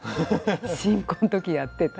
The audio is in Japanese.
新婚の時にやってた。